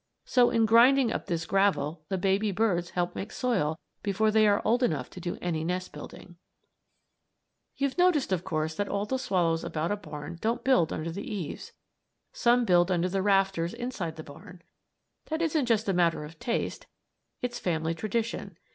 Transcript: So, in grinding up this gravel the baby birds help make soil before they are old enough to do any nest building. [Illustration: THE SAND MARTIN AND HIS HOME IN THE BANK] You've noticed, of course, that all the swallows about a barn don't build under the eaves. Some build under the rafters inside the barn. That isn't just a matter of taste; it's family tradition.